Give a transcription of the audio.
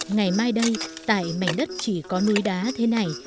ngày mai đây tại mảnh đất chỉ có núi đá thế này